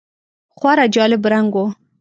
خورا جالب رنګ و .